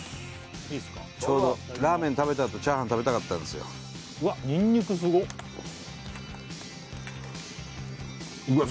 ちょうどラーメン食べたあとチャーハン食べたかったんですようわ